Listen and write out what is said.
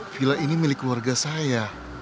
villa ini milik keluarga saya